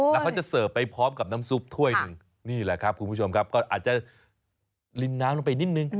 แล้วเขาจะเสิร์ฟไปพร้อมกับน้ำซุปถ้วยหนึ่งนี่แหละครับคุณผู้ชมครับก็อาจจะลินน้ำลงไปนิดนึง